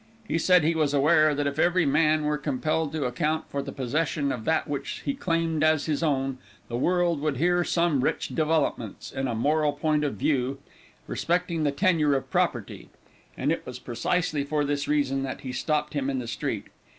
He said he was aware that if every man were compelled to account for the possession of that which he claimed as his own, the world would hear some rich developments, in a moral point of view, respecting the tenure of property; and it was precisely for this reason that he had stopped him in the street.